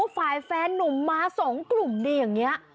ฝ่ายแฟนนุ่มมา๒กลุ่มดีอย่างนี้